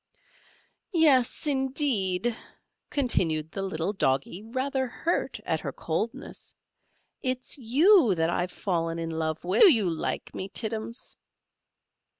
"Yes, indeed," continued the little Doggy, rather hurt at her coldness: "it's you that I've fallen in love with. Do you like me, Tittums?"